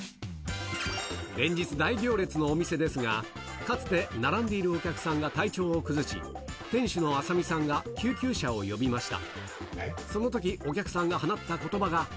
連日、大行列のお店ですが、かつて並んでいるお客さんが体調を崩し、店主の朝見さんが救急車を呼びました。